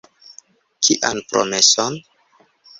Kian promeson?